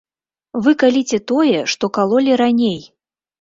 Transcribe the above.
Вы каліце тое, што калолі раней!